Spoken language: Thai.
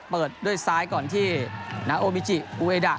เปิดด้วยซ้ายก่อนที่นาโอมิจิอูเอดะ